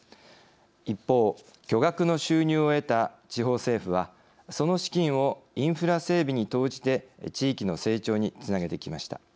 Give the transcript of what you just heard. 一方巨額の収入を得た地方政府はその資金をインフラ整備に投じて地域の成長につなげてきました。